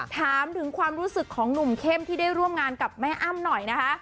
ถามถึงความรู้สึกของหนุ่มเข้มที่ได้ร่วมงานกับแม่อ้ำหน่อยนะคะ